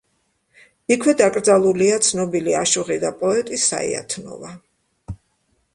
იქვე დაკრძალულია ცნობილი აშუღი და პოეტი საიათნოვა.